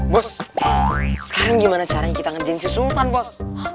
bos sekarang gimana caranya kita ngerjain susupan bos